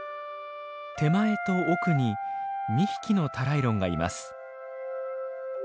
手前と奥に２匹のタライロンがいます。